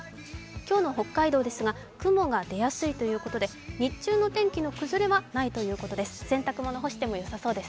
今日の北海道は雲が出やすいということで日中の天気の崩れはないということです。